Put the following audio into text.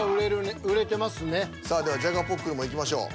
さあではじゃがポックルもいきましょう。